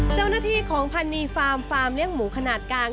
เจ้าหน้าที่ของพันนีฟาร์มฟาร์มเลี้ยงหมูขนาดกลาง